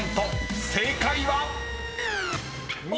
［正解は⁉］